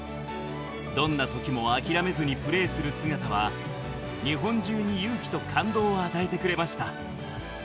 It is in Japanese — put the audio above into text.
どんなときも諦めずにプレーする姿は日本中に勇気と感動を与えてくれました。